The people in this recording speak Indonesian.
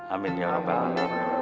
amin ya rampal